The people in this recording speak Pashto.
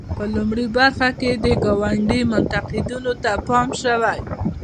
په لومړۍ برخه کې د ګاندي منتقدینو ته پام شوی.